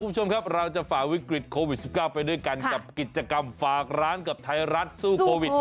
คุณผู้ชมครับเราจะฝ่าวิกฤตโควิด๑๙ไปด้วยกันกับกิจกรรมฝากร้านกับไทยรัฐสู้โควิด